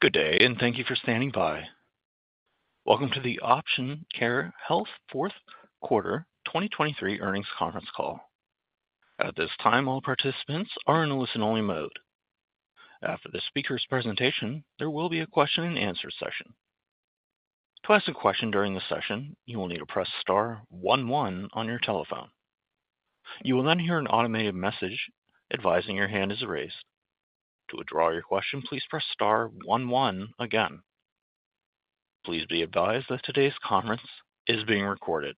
Good day, and thank you for standing by. Welcome to the Option Care Health Fourth Quarter 2023 Earnings Conference Call. At this time, all participants are in a listen-only mode. After the speaker's presentation, there will be a question-and-answer session. To ask a question during the session, you will need to press star one one on your telephone. You will then hear an automated message advising your hand is raised. To withdraw your question, please press star one one again. Please be advised that today's conference is being recorded.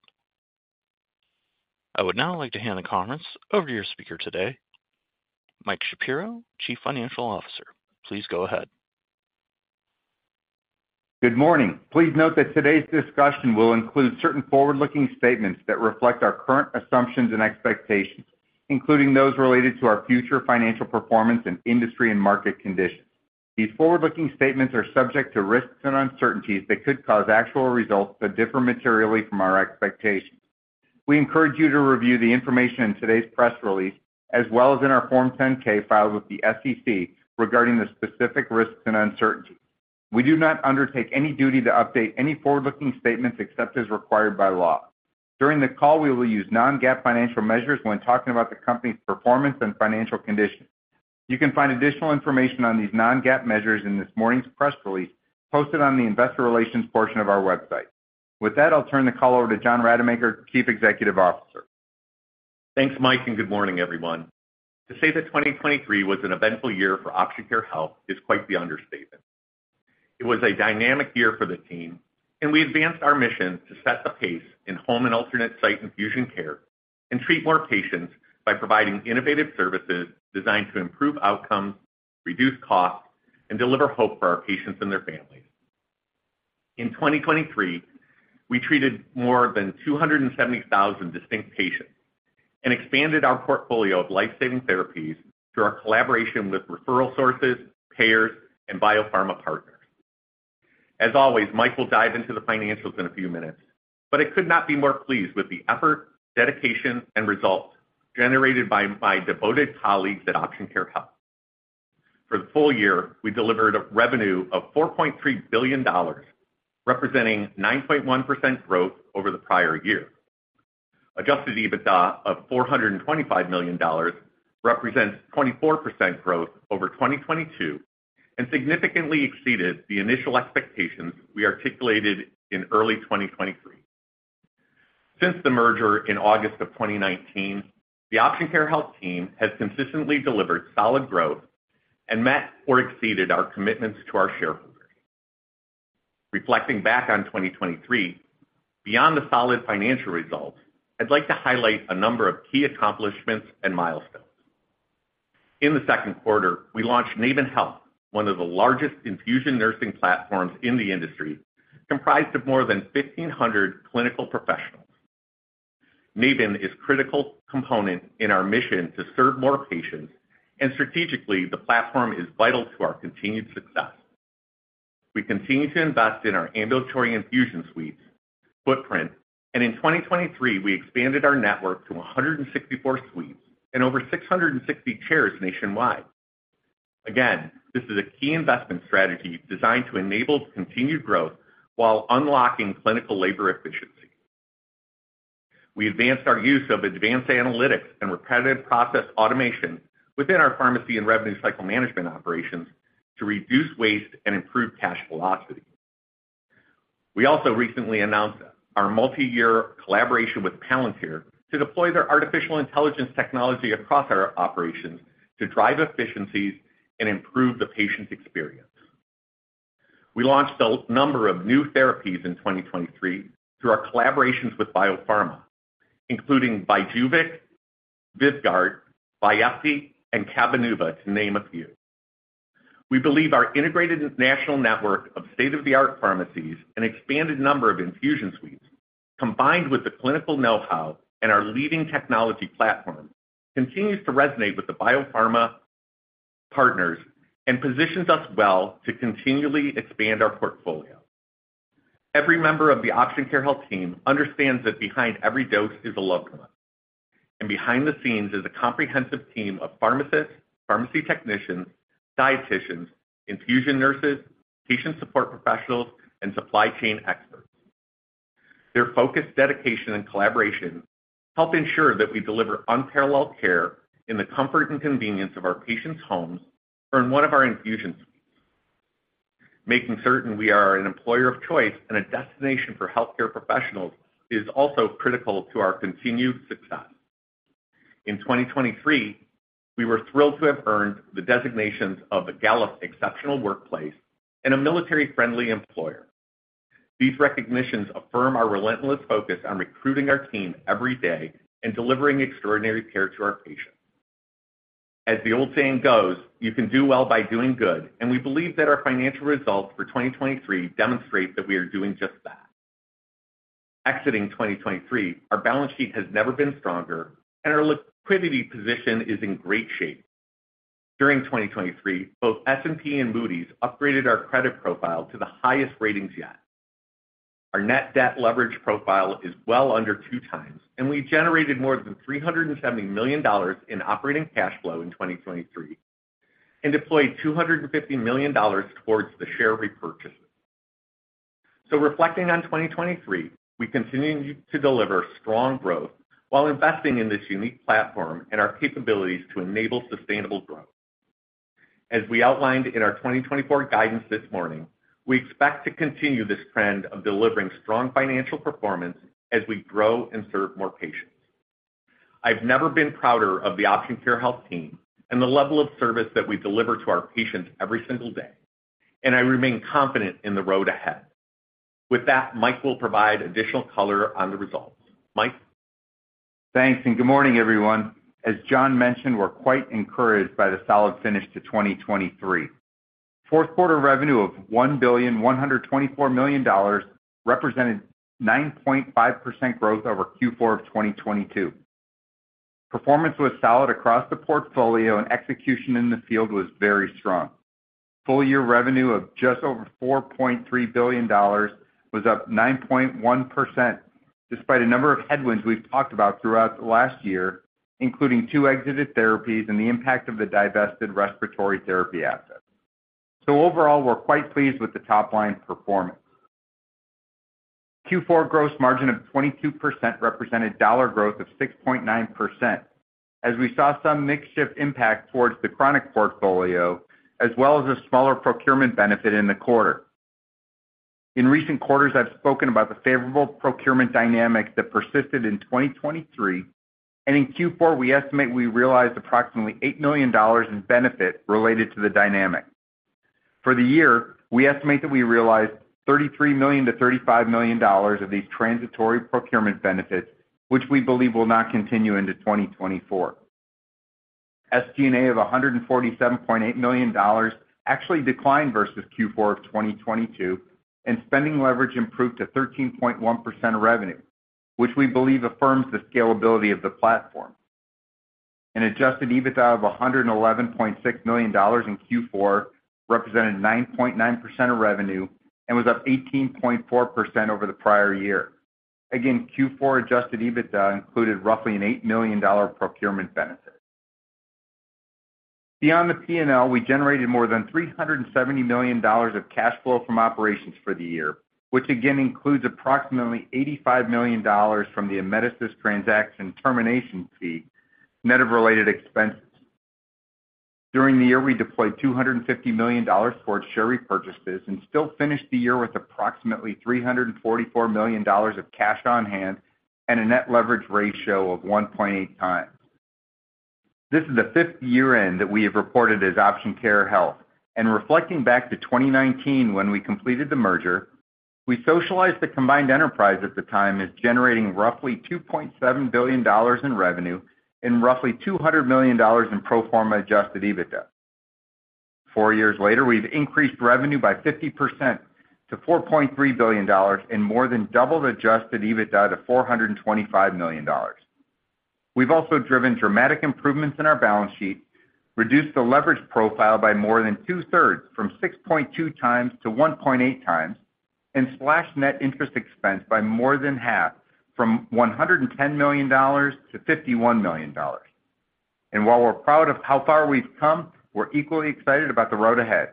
I would now like to hand the conference over to your speaker today, Mike Shapiro, Chief Financial Officer. Please go ahead. Good morning. Please note that today's discussion will include certain forward-looking statements that reflect our current assumptions and expectations, including those related to our future financial performance and industry and market conditions. These forward-looking statements are subject to risks and uncertainties that could cause actual results to differ materially from our expectations. We encourage you to review the information in today's press release as well as in our Form 10-K filed with the SEC regarding the specific risks and uncertainties. We do not undertake any duty to update any forward-looking statements except as required by law. During the call, we will use non-GAAP financial measures when talking about the company's performance and financial conditions. You can find additional information on these non-GAAP measures in this morning's press release posted on the Investor Relations portion of our website. With that, I'll turn the call over to John Rademacher, Chief Executive Officer. Thanks, Mike, and good morning, everyone. To say that 2023 was an eventful year for Option Care Health is quite the understatement. It was a dynamic year for the team, and we advanced our mission to set the pace in home and alternate site infusion care and treat more patients by providing innovative services designed to improve outcomes, reduce costs, and deliver hope for our patients and their families. In 2023, we treated more than 270,000 distinct patients and expanded our portfolio of life-saving therapies through our collaboration with referral sources, payers, and biopharma partners. As always, Mike will dive into the financials in a few minutes, but I could not be more pleased with the effort, dedication, and results generated by my devoted colleagues at Option Care Health. For the full year, we delivered a revenue of $4.3 billion, representing 9.1% growth over the prior year. Adjusted EBITDA of $425 million represents 24% growth over 2022 and significantly exceeded the initial expectations we articulated in early 2023. Since the merger in August of 2019, the Option Care Health team has consistently delivered solid growth and met or exceeded our commitments to our shareholders. Reflecting back on 2023, beyond the solid financial results, I'd like to highlight a number of key accomplishments and milestones. In the second quarter, we launched Naven Health, one of the largest infusion nursing platforms in the industry, comprised of more than 1,500 clinical professionals. Naven is a critical component in our mission to serve more patients, and strategically, the platform is vital to our continued success. We continue to invest in our ambulatory infusion suites' footprint, and in 2023, we expanded our network to 164 suites and over 660 chairs nationwide. Again, this is a key investment strategy designed to enable continued growth while unlocking clinical labor efficiency. We advanced our use of advanced analytics and repetitive process automation within our pharmacy and revenue cycle management operations to reduce waste and improve cash velocity. We also recently announced our multi-year collaboration with Palantir to deploy their artificial intelligence technology across our operations to drive efficiencies and improve the patient's experience. We launched a number of new therapies in 2023 through our collaborations with biopharma, including Briumvi, Vyvgart, Veopoz, and Cabenuva, to name a few. We believe our integrated national network of state-of-the-art pharmacies and expanded number of infusion suites, combined with the clinical know-how and our leading technology platform, continues to resonate with the biopharma partners and positions us well to continually expand our portfolio. Every member of the Option Care Health team understands that behind every dose is a loved one, and behind the scenes is a comprehensive team of pharmacists, pharmacy technicians, dieticians, infusion nurses, patient support professionals, and supply chain experts. Their focus, dedication, and collaboration help ensure that we deliver unparalleled care in the comfort and convenience of our patients' homes or in one of our infusion suites. Making certain we are an employer of choice and a destination for healthcare professionals is also critical to our continued success. In 2023, we were thrilled to have earned the designations of the Gallup Exceptional Workplace and a Military-Friendly Employer. These recognitions affirm our relentless focus on recruiting our team every day and delivering extraordinary care to our patients. As the old saying goes, "You can do well by doing good," and we believe that our financial results for 2023 demonstrate that we are doing just that. Exiting 2023, our balance sheet has never been stronger, and our liquidity position is in great shape. During 2023, both S&P and Moody's upgraded our credit profile to the highest ratings yet. Our net debt leverage profile is well under 2x, and we generated more than $370 million in operating cash flow in 2023 and deployed $250 million towards the share repurchases. So reflecting on 2023, we continue to deliver strong growth while investing in this unique platform and our capabilities to enable sustainable growth. As we outlined in our 2024 guidance this morning, we expect to continue this trend of delivering strong financial performance as we grow and serve more patients. I've never been prouder of the Option Care Health team and the level of service that we deliver to our patients every single day, and I remain confident in the road ahead. With that, Mike will provide additional color on the results. Mike? Thanks, and good morning, everyone. As John mentioned, we're quite encouraged by the solid finish to 2023. Fourth quarter revenue of $1,124 million represented 9.5% growth over Q4 of 2022. Performance was solid across the portfolio, and execution in the field was very strong. Full-year revenue of just over $4.3 billion was up 9.1% despite a number of headwinds we've talked about throughout the last year, including two exited therapies and the impact of the divested respiratory therapy assets. So overall, we're quite pleased with the top-line performance. Q4 gross margin of 22% represented dollar growth of 6.9% as we saw some mixed-shift impact towards the chronic portfolio as well as a smaller procurement benefit in the quarter. In recent quarters, I've spoken about the favorable procurement dynamics that persisted in 2023, and in Q4, we estimate we realized approximately $8 million in benefit related to the dynamic. For the year, we estimate that we realized $33 million-$35 million of these transitory procurement benefits, which we believe will not continue into 2024. SG&A of $147.8 million actually declined versus Q4 of 2022, and spending leverage improved to 13.1% revenue, which we believe affirms the scalability of the platform. An Adjusted EBITDA of $111.6 million in Q4 represented 9.9% of revenue and was up 18.4% over the prior year. Again, Q4 Adjusted EBITDA included roughly an $8 million procurement benefit. Beyond the P&L, we generated more than $370 million of cash flow from operations for the year, which again includes approximately $85 million from the Amedisys transaction termination fee net of related expenses. During the year, we deployed $250 million towards share repurchases and still finished the year with approximately $344 million of cash on hand and a net leverage ratio of 1.8x. This is the fifth year-end that we have reported as Option Care Health, and reflecting back to 2019 when we completed the merger, we socialized the combined enterprise at the time as generating roughly $2.7 billion in revenue and roughly $200 million in pro forma Adjusted EBITDA. Four years later, we've increased revenue by 50% to $4.3 billion and more than doubled Adjusted EBITDA to $425 million. We've also driven dramatic improvements in our balance sheet, reduced the leverage profile by more than 2/3 from 6.2x to 1.8x, and slashed net interest expense by more than half from $110 million-$51 million. And while we're proud of how far we've come, we're equally excited about the road ahead.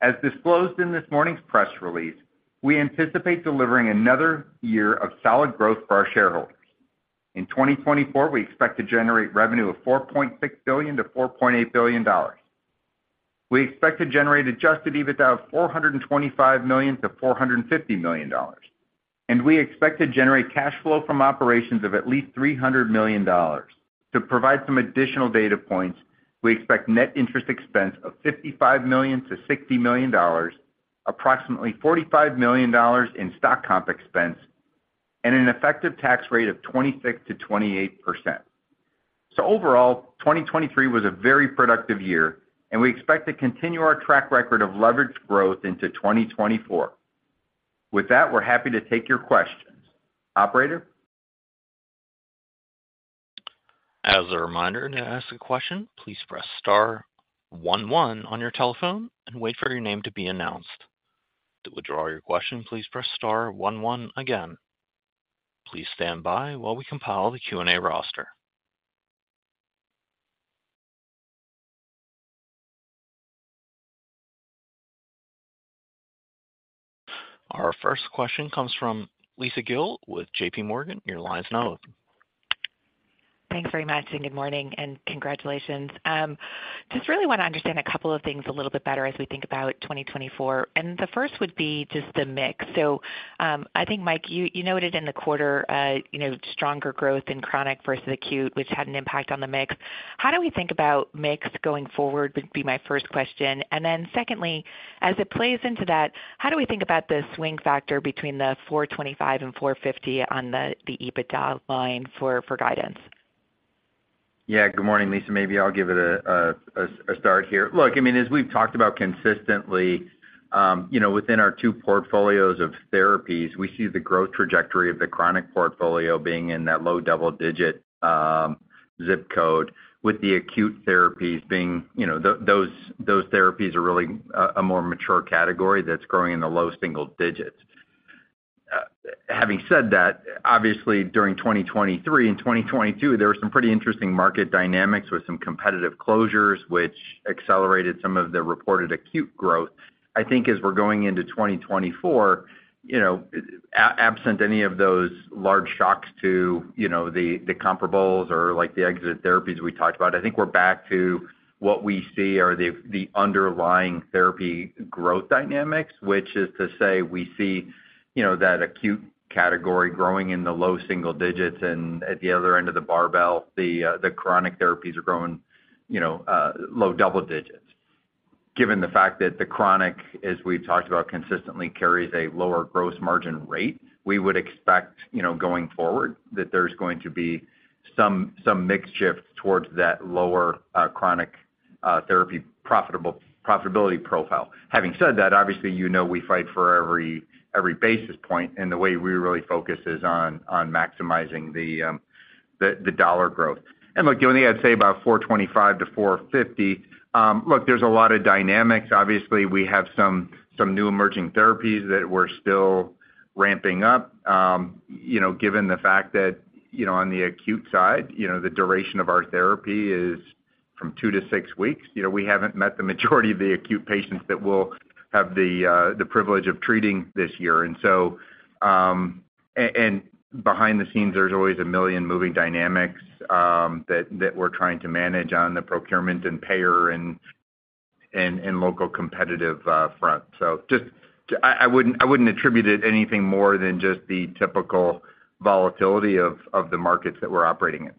As disclosed in this morning's press release, we anticipate delivering another year of solid growth for our shareholders. In 2024, we expect to generate revenue of $4.6 billion-$4.8 billion. We expect to generate Adjusted EBITDA of $425 million-$450 million, and we expect to generate cash flow from operations of at least $300 million. To provide some additional data points, we expect net interest expense of $55 million-$60 million, approximately $45 million in stock comp expense, and an effective tax rate of 26%-28%. So overall, 2023 was a very productive year, and we expect to continue our track record of leveraged growth into 2024. With that, we're happy to take your questions. Operator? As a reminder to ask a question, please press star one one on your telephone and wait for your name to be announced. To withdraw your question, please press star one one again. Please stand by while we compile the Q&A roster. Our first question comes from Lisa Gill with JPMorgan. Your line's now open. Thanks very much, and good morning, and congratulations. Just really want to understand a couple of things a little bit better as we think about 2024, and the first would be just the mix. So I think, Mike, you noted in the quarter stronger growth in chronic versus acute, which had an impact on the mix. How do we think about mix going forward would be my first question. And then secondly, as it plays into that, how do we think about the swing factor between the $425 million and $450 million on the EBITDA line for guidance? Yeah, good morning, Lisa. Maybe I'll give it a start here. Look, I mean, as we've talked about consistently, within our two portfolios of therapies, we see the growth trajectory of the chronic portfolio being in that low double-digit ZIP code, with the acute therapies being those therapies are really a more mature category that's growing in the low single digits. Having said that, obviously, during 2023 and 2022, there were some pretty interesting market dynamics with some competitive closures, which accelerated some of the reported acute growth. I think as we're going into 2024, absent any of those large shocks to the comparables or the exited therapies we talked about, I think we're back to what we see are the underlying therapy growth dynamics, which is to say we see that acute category growing in the low single digits, and at the other end of the barbell, the chronic therapies are growing low double digits. Given the fact that the chronic, as we've talked about consistently, carries a lower gross margin rate, we would expect going forward that there's going to be some mixed shift towards that lower chronic therapy profitability profile. Having said that, obviously, you know we fight for every basis point, and the way we really focus is on maximizing the dollar growth. And look, given the, I'd say, about 425-450, look, there's a lot of dynamics. Obviously, we have some new emerging therapies that we're still ramping up. Given the fact that on the acute side, the duration of our therapy is from two to six weeks, we haven't met the majority of the acute patients that will have the privilege of treating this year. Behind the scenes, there's always a million moving dynamics that we're trying to manage on the procurement and payer and local competitive front. I wouldn't attribute it anything more than just the typical volatility of the markets that we're operating in.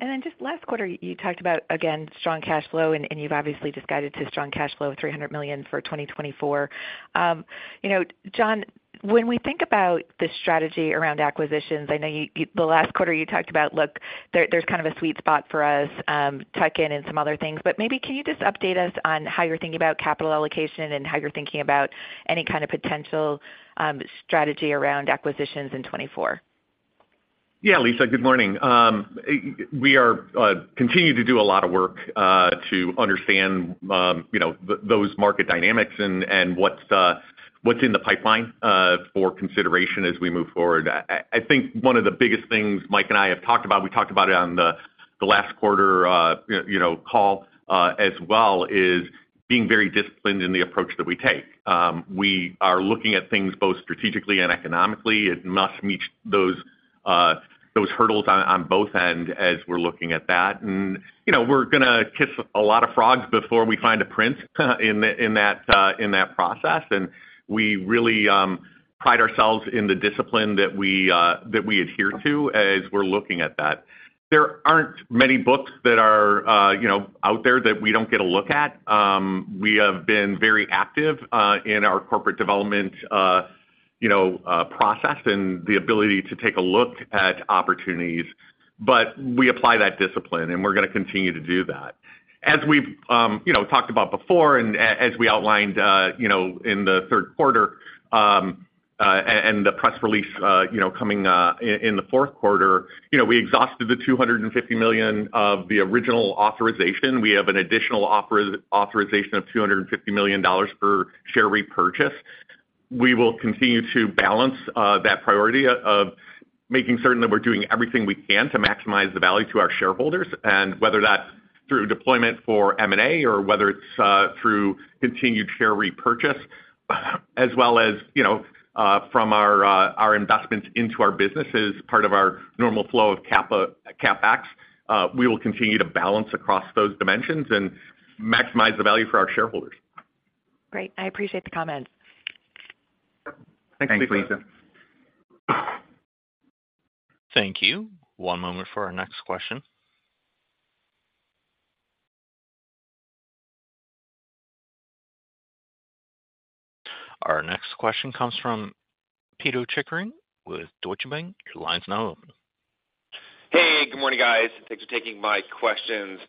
Then just last quarter, you talked about, again, strong cash flow, and you've obviously guided to strong cash flow of $300 million for 2024. John, when we think about the strategy around acquisitions, I know the last quarter you talked about, look, there's kind of a sweet spot for us tuck-in and some other things. But maybe can you just update us on how you're thinking about capital allocation and how you're thinking about any kind of potential strategy around acquisitions in 2024? Yeah, Lisa, good morning. We continue to do a lot of work to understand those market dynamics and what's in the pipeline for consideration as we move forward. I think one of the biggest things Mike and I have talked about, we talked about it on the last quarter call as well, is being very disciplined in the approach that we take. We are looking at things both strategically and economically. It must meet those hurdles on both ends as we're looking at that. We're going to kiss a lot of frogs before we find a prince in that process, and we really pride ourselves in the discipline that we adhere to as we're looking at that. There aren't many books that are out there that we don't get a look at. We have been very active in our corporate development process and the ability to take a look at opportunities, but we apply that discipline, and we're going to continue to do that. As we've talked about before and as we outlined in the third quarter and the press release coming in the fourth quarter, we exhausted the $250 million of the original authorization. We have an additional authorization of $250 million for share repurchase. We will continue to balance that priority of making certain that we're doing everything we can to maximize the value to our shareholders, and whether that's through deployment for M&A or whether it's through continued share repurchase, as well as from our investments into our business as part of our normal flow of CapEx, we will continue to balance across those dimensions and maximize the value for our shareholders. Great. I appreciate the comments. Thanks, Lisa. Thank you. One moment for our next question. Our next question comes from Pito Chickering with Deutsche Bank. Your line's now open. Hey, good morning, guys. Thanks for taking my questions.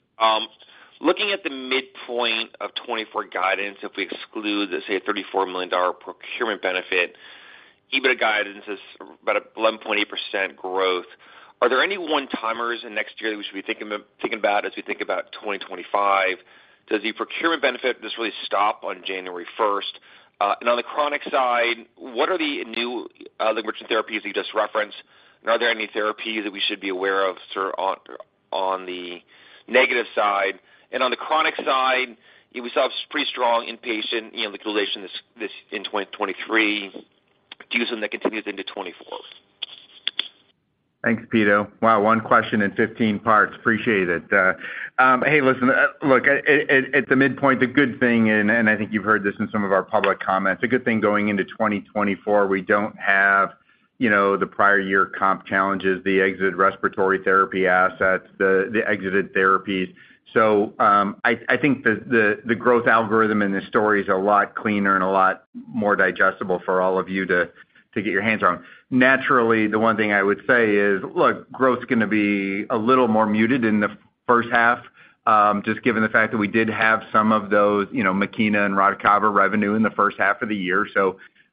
Looking at the midpoint of 2024 guidance, if we exclude, let's say, a $34 million procurement benefit, EBITDA guidance is about 11.8% growth. Are there any one-timers in next year that we should be thinking about as we think about 2025? Does the procurement benefit just really stop on January 1st? And on the chronic side, what are the new liquidation therapies that you just referenced? And are there any therapies that we should be aware of on the negative side? And on the chronic side, we saw pretty strong inpatient liquidation in 2023. Do you see that continues into 2024? Thanks, Pito. Wow, one question in 15 parts. Appreciate it. Hey, listen, look, at the midpoint, the good thing, and I think you've heard this in some of our public comments, the good thing going into 2024, we don't have the prior year comp challenges, the exited respiratory therapy assets, the exited therapies. So I think the growth algorithm in this story is a lot cleaner and a lot more digestible for all of you to get your hands on. Naturally, the one thing I would say is, look, growth's going to be a little more muted in the first half, just given the fact that we did have some of those Makena and Radicava revenue in the first half of the year.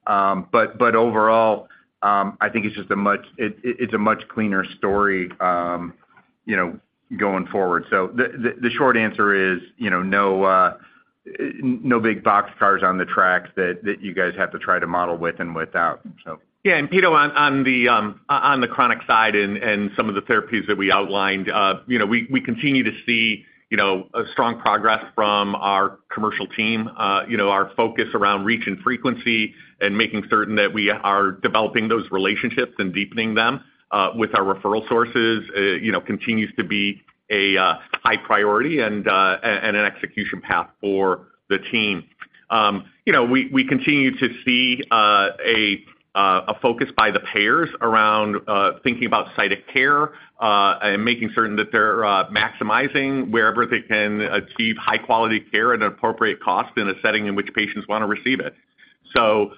But overall, I think it's just a much it's a much cleaner story going forward. The short answer is no big boxcars on the tracks that you guys have to try to model with and without, so. Yeah, and Pito, on the chronic side and some of the therapies that we outlined, we continue to see strong progress from our commercial team. Our focus around reach and frequency and making certain that we are developing those relationships and deepening them with our referral sources continues to be a high priority and an execution path for the team. We continue to see a focus by the payers around thinking about site of care and making certain that they're maximizing wherever they can achieve high-quality care at an appropriate cost in a setting in which patients want to receive it. So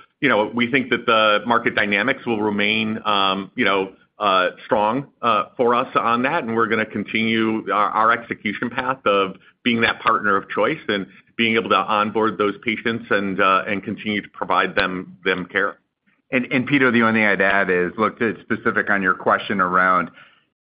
we think that the market dynamics will remain strong for us on that, and we're going to continue our execution path of being that partner of choice and being able to onboard those patients and continue to provide them care. And Pito, the only thing I'd add is, look, specific on your question around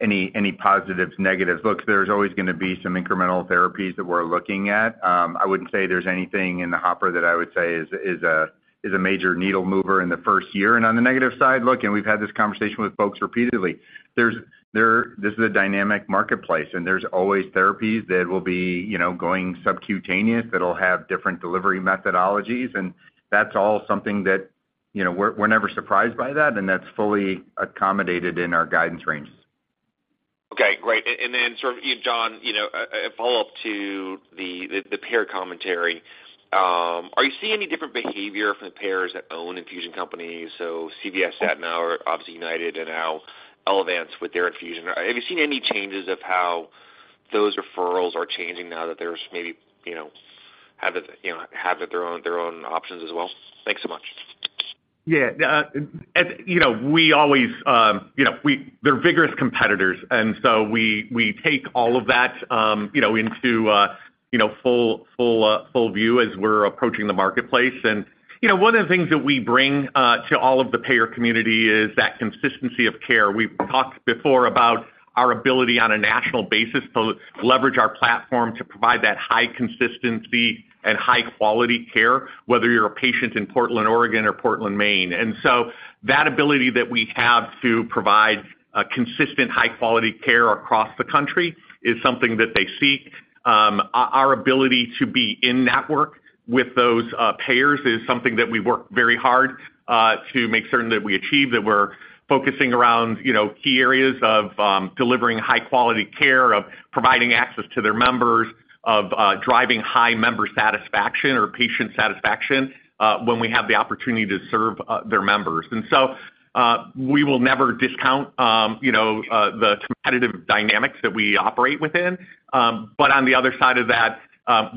any positives, negatives, look, there's always going to be some incremental therapies that we're looking at. I wouldn't say there's anything in the hopper that I would say is a major needle mover in the first year. And on the negative side, look, and we've had this conversation with folks repeatedly, this is a dynamic marketplace, and there's always therapies that will be going subcutaneous that'll have different delivery methodologies, and that's all something that we're never surprised by that, and that's fully accommodated in our guidance ranges. Okay, great. And then sort of, John, a follow-up to the payer commentary, are you seeing any different behavior from the payers that own infusion companies, so CVS, Cigna, obviously United, and now Elevance with their infusion? Have you seen any changes of how those referrals are changing now that they're maybe have their own options as well? Thanks so much. Yeah. We always, they're vigorous competitors, and so we take all of that into full view as we're approaching the marketplace. One of the things that we bring to all of the payer community is that consistency of care. We've talked before about our ability on a national basis to leverage our platform to provide that high consistency and high-quality care, whether you're a patient in Portland, Oregon, or Portland, Maine. That ability that we have to provide consistent, high-quality care across the country is something that they seek. Our ability to be in-network with those payers is something that we work very hard to make certain that we achieve, that we're focusing around key areas of delivering high-quality care, of providing access to their members, of driving high member satisfaction or patient satisfaction when we have the opportunity to serve their members. And so we will never discount the competitive dynamics that we operate within. But on the other side of that,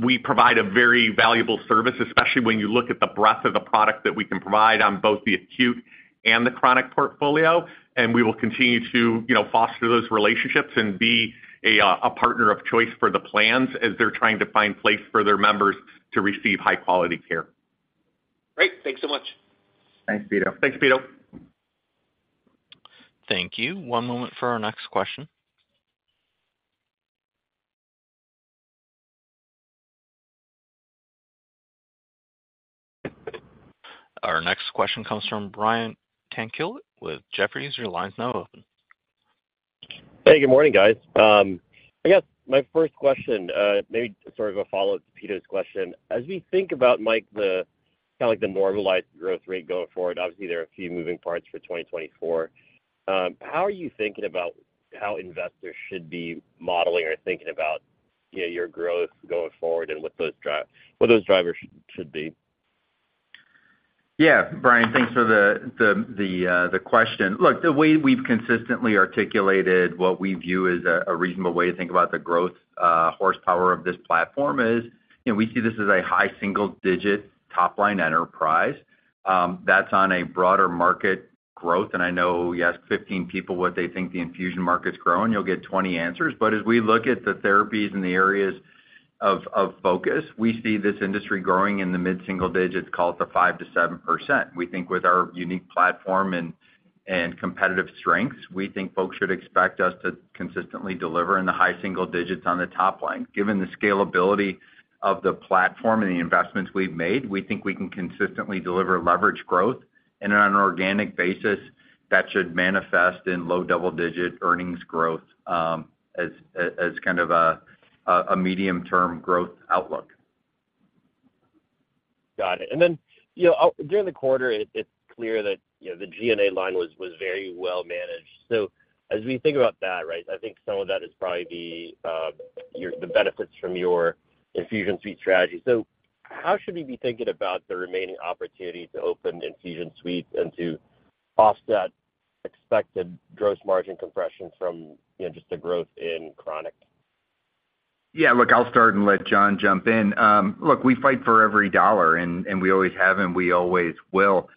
we provide a very valuable service, especially when you look at the breadth of the product that we can provide on both the acute and the chronic portfolio. And we will continue to foster those relationships and be a partner of choice for the plans as they're trying to find place for their members to receive high-quality care. Great. Thanks so much. Thanks, Pito. Thanks, Pito. Thank you. One moment for our next question. Our next question comes from Brian Tanquilut with Jefferies. Your line's now open. Hey, good morning, guys. I guess my first question, maybe sort of a follow-up to Pito's question, as we think about, Mike, kind of the normalized growth rate going forward, obviously, there are a few moving parts for 2024, how are you thinking about how investors should be modeling or thinking about your growth going forward and what those drivers should be? Yeah, Brian, thanks for the question. Look, the way we've consistently articulated what we view as a reasonable way to think about the growth horsepower of this platform is we see this as a high single-digit top-line enterprise. That's on a broader market growth. And I know you asked 15 people what they think the infusion market's growing. You'll get 20 answers. But as we look at the therapies and the areas of focus, we see this industry growing in the mid-single digits. Call it the 5%-7%. We think with our unique platform and competitive strengths, we think folks should expect us to consistently deliver in the high single digits on the top line. Given the scalability of the platform and the investments we've made, we think we can consistently deliver leveraged growth and on an organic basis that should manifest in low double-digit earnings growth as kind of a medium-term growth outlook. Got it. Then during the quarter, it's clear that the SG&A line was very well managed. So as we think about that, right, I think some of that is probably the benefits from your infusion suite strategy. So how should we be thinking about the remaining opportunity to open infusion suites and to offset expected gross margin compression from just the growth in chronic? Yeah, look, I'll start and let John jump in. Look, we fight for every dollar, and we always have, and we always will.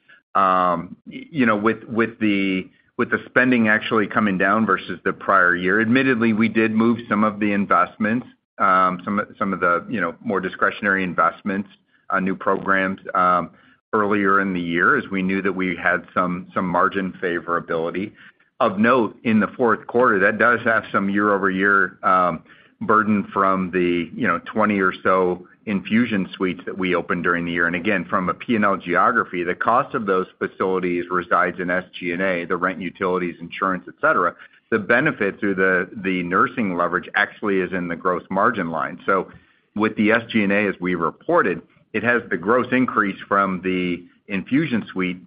With the spending actually coming down versus the prior year, admittedly, we did move some of the investments, some of the more discretionary investments, new programs earlier in the year as we knew that we had some margin favorability. Of note, in the fourth quarter, that does have some year-over-year burden from the 20 or so infusion suites that we opened during the year. And again, from a P&L geography, the cost of those facilities resides in SG&A, the rent, utilities, insurance, et cetera. The benefit through the nursing leverage actually is in the gross margin line. So with the SG&A, as we reported, it has the gross increase from the infusion suite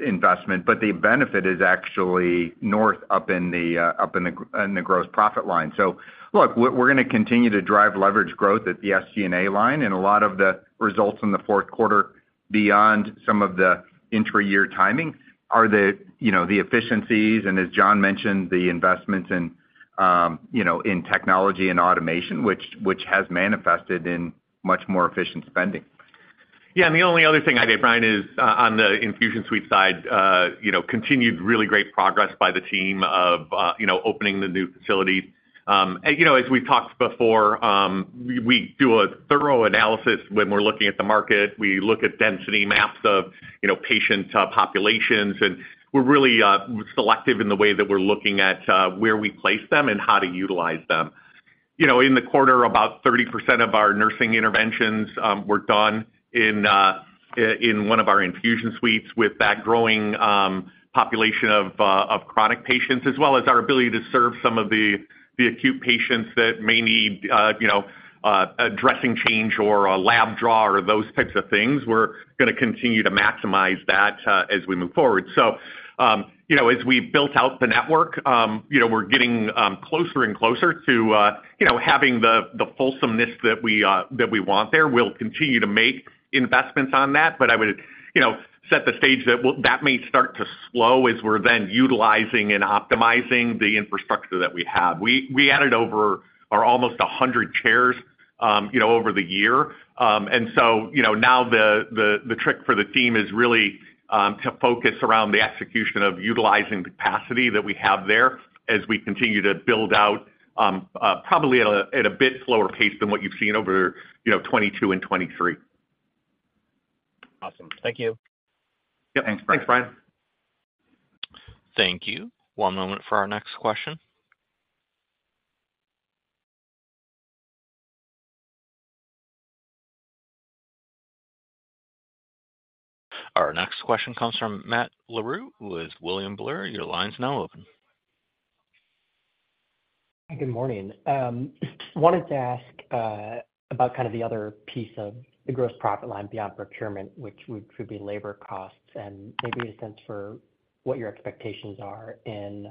investment, but the benefit is actually north up in the gross profit line. So look, we're going to continue to drive leveraged growth at the SG&A line, and a lot of the results in the fourth quarter, beyond some of the intra-year timing, are the efficiencies and, as John mentioned, the investments in technology and automation, which has manifested in much more efficient spending. Yeah, and the only other thing I'd add, Brian, is on the infusion suite side, continued really great progress by the team of opening the new facilities. As we've talked before, we do a thorough analysis when we're looking at the market. We look at density maps of patient populations, and we're really selective in the way that we're looking at where we place them and how to utilize them. In the quarter, about 30% of our nursing interventions were done in one of our infusion suites with that growing population of chronic patients, as well as our ability to serve some of the acute patients that may need a dressing change or a lab draw or those types of things. We're going to continue to maximize that as we move forward. So as we've built out the network, we're getting closer and closer to having the fulsomeness that we want there. We'll continue to make investments on that, but I would set the stage that that may start to slow as we're then utilizing and optimizing the infrastructure that we have. We added over almost 100 chairs over the year. And so now the trick for the team is really to focus around the execution of utilizing the capacity that we have there as we continue to build out, probably at a bit slower pace than what you've seen over 2022 and 2023. Awesome. Thank you. Yep. Thanks, Brian. Thanks, Brian. Thank you. One moment for our next question. Our next question comes from Matt Larew with William Blair. Your line's now open. Hi, good morning. Wanted to ask about kind of the other piece of the gross profit line beyond procurement, which would be labor costs, and maybe a sense for what your expectations are in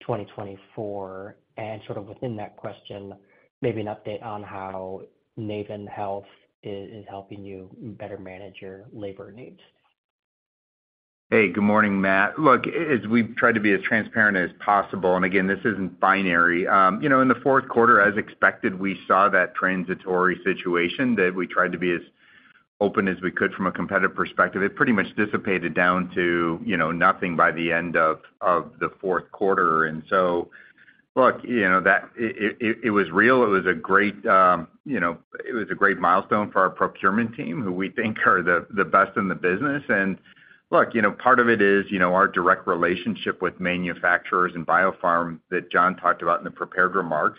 2024. And sort of within that question, maybe an update on how Naven Health is helping you better manage your labor needs. Hey, good morning, Matt. Look, as we've tried to be as transparent as possible, and again, this isn't binary. In the fourth quarter, as expected, we saw that transitory situation that we tried to be as open as we could from a competitive perspective. It pretty much dissipated down to nothing by the end of the fourth quarter. And so look, it was real. It was a great milestone for our procurement team, who we think are the best in the business. And look, part of it is our direct relationship with manufacturers and biofarm that John talked about in the prepared remarks.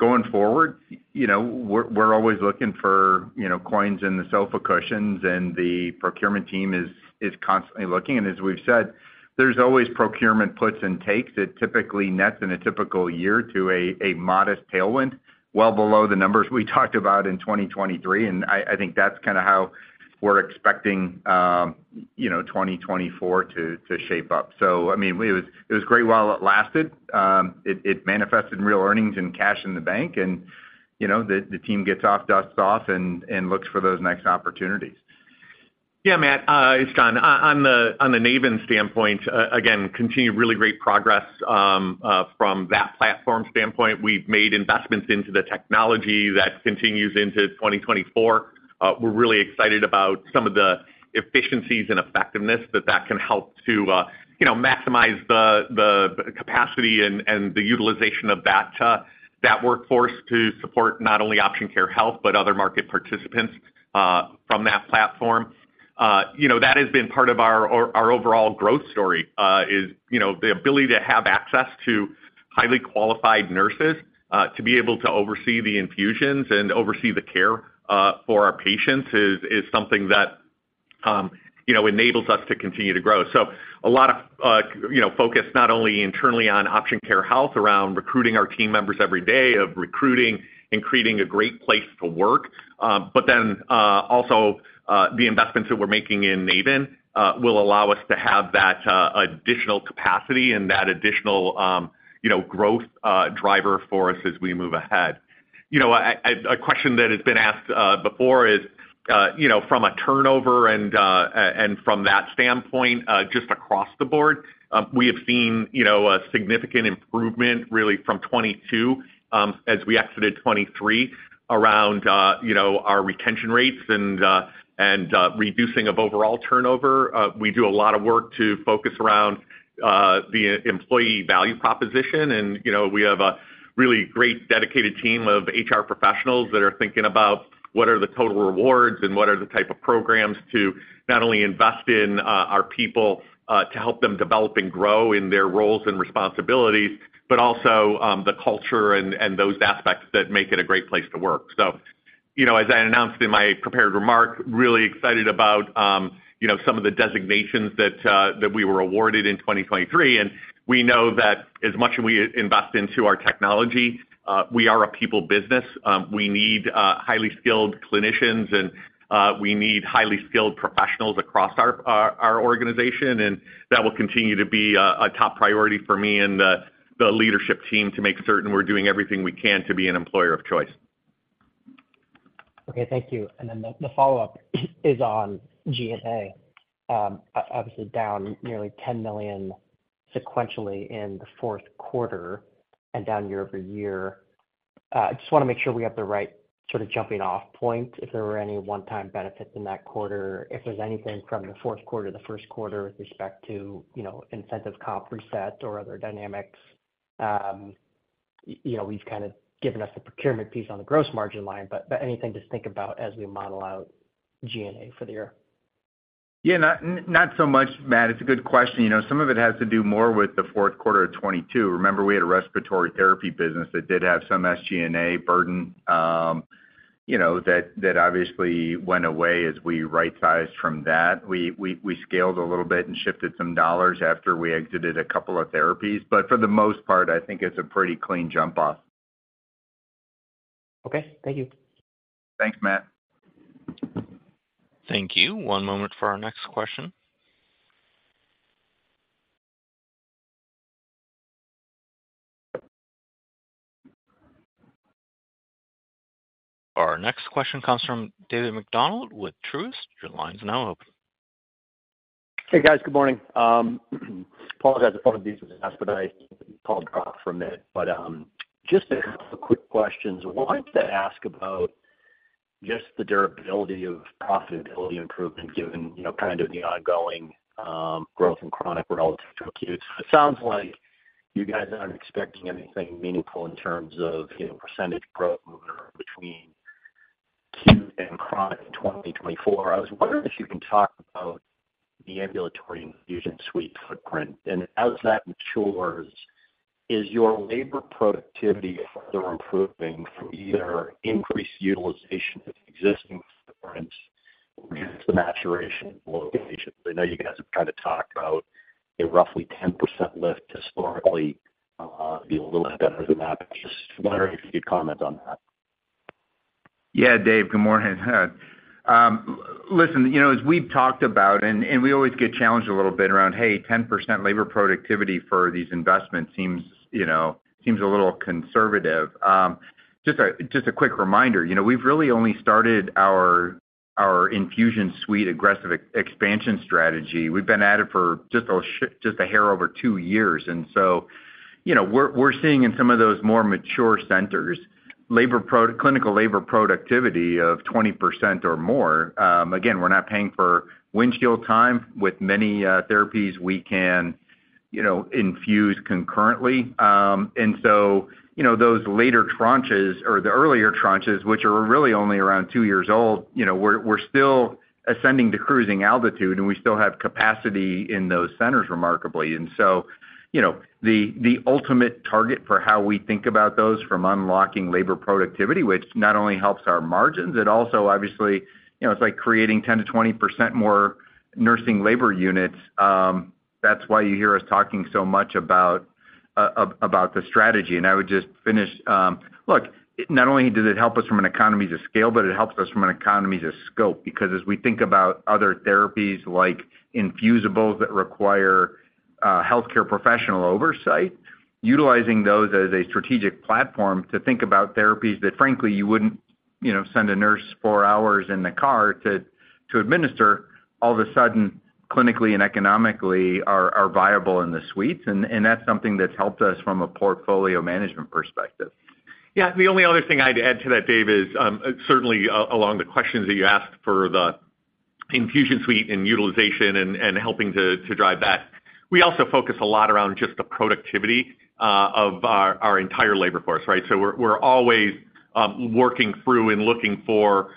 Going forward, we're always looking for coins in the sofa cushions, and the procurement team is constantly looking. As we've said, there's always procurement puts and takes that typically nets in a typical year to a modest tailwind, well below the numbers we talked about in 2023. I think that's kind of how we're expecting 2024 to shape up. I mean, it was great while it lasted. It manifested real earnings and cash in the bank, and the team dusts off and looks for those next opportunities. Yeah, Matt, it's John. On the Naven standpoint, again, continue really great progress from that platform standpoint. We've made investments into the technology that continues into 2024. We're really excited about some of the efficiencies and effectiveness that that can help to maximize the capacity and the utilization of that workforce to support not only Option Care Health, but other market participants from that platform. That has been part of our overall growth story, the ability to have access to highly qualified nurses to be able to oversee the infusions and oversee the care for our patients is something that enables us to continue to grow. A lot of focus not only internally on Option Care Health around recruiting our team members every day of recruiting and creating a great place to work, but then also the investments that we're making in Naven will allow us to have that additional capacity and that additional growth driver for us as we move ahead. A question that has been asked before is from a turnover and from that standpoint, just across the board, we have seen a significant improvement really from 2022 as we exited 2023 around our retention rates and reducing of overall turnover. We do a lot of work to focus around the employee value proposition, and we have a really great dedicated team of HR professionals that are thinking about what are the total rewards and what are the type of programs to not only invest in our people to help them develop and grow in their roles and responsibilities, but also the culture and those aspects that make it a great place to work. So as I announced in my prepared remark, really excited about some of the designations that we were awarded in 2023. And we know that as much as we invest into our technology, we are a people business. We need highly skilled clinicians, and we need highly skilled professionals across our organization. That will continue to be a top priority for me and the leadership team to make certain we're doing everything we can to be an employer of choice. Okay, thank you. And then the follow-up is on SG&A, obviously down nearly $10 million sequentially in the fourth quarter and down year-over-year. I just want to make sure we have the right sort of jumping-off point if there were any one-time benefits in that quarter, if there's anything from the fourth quarter, the first quarter with respect to incentive comp reset or other dynamics. We've kind of given us the procurement piece on the gross margin line, but anything to think about as we model out SG&A for the year? Yeah, not so much, Matt. It's a good question. Some of it has to do more with the fourth quarter of 2022. Remember, we had a respiratory therapy business that did have some SG&A burden that obviously went away as we right-sized from that. We scaled a little bit and shifted some dollars after we exited a couple of therapies. But for the most part, I think it's a pretty clean jump-off. Okay, thank you. Thanks, Matt. Thank you. One moment for our next question. Our next question comes from David MacDonald with Truist. Your line's now open. Hey, guys. Good morning. Apologize if one of these was asked, but I called off for a minute. Just a couple of quick questions. I wanted to ask about just the durability of profitability improvement given kind of the ongoing growth in chronic relative to acute. It sounds like you guys aren't expecting anything meaningful in terms of percentage growth moving between acute and chronic in 2024. I was wondering if you can talk about the Ambulatory Infusion Suite footprint. As that matures, is your labor productivity further improving from either increased utilization of existing footprints or just the maturation of locations? I know you guys have kind of talked about a roughly 10% lift historically to be a little bit better than that. Just wondering if you could comment on that. Yeah, Dave. Good morning. Listen, as we've talked about, and we always get challenged a little bit around, "Hey, 10% labor productivity for these investments seems a little conservative." Just a quick reminder, we've really only started our infusion suite aggressive expansion strategy. We've been at it for just a hair over two years. And so we're seeing in some of those more mature centers, clinical labor productivity of 20% or more. Again, we're not paying for windshield time with many therapies we can infuse concurrently. And so those later tranches or the earlier tranches, which are really only around two years old, we're still ascending to cruising altitude, and we still have capacity in those centers, remarkably. So the ultimate target for how we think about those from unlocking labor productivity, which not only helps our margins, it also obviously it's like creating 10%-20% more nursing labor units. That's why you hear us talking so much about the strategy. I would just finish. Look, not only did it help us from an economies of scale, but it helps us from an economies of scope because as we think about other therapies like infusible that require healthcare professional oversight, utilizing those as a strategic platform to think about therapies that, frankly, you wouldn't send a nurse four hours in the car to administer, all of a sudden, clinically and economically are viable in the suites. And that's something that's helped us from a portfolio management perspective. Yeah, the only other thing I'd add to that, Dave, is certainly along the questions that you asked for the infusion suite and utilization and helping to drive that, we also focus a lot around just the productivity of our entire labor force, right? So we're always working through and looking for